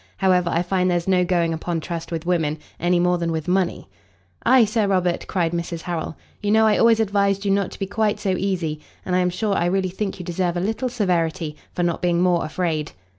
However, I find there's no going upon trust with women, any more than with money." "Ay, Sir Robert," cried Mrs Harrel, "you know I always advised you not to be quite so easy, and I am sure I really think you deserve a little severity, for not being more afraid."